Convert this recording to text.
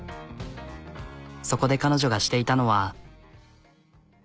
そこで彼女がしていたのは。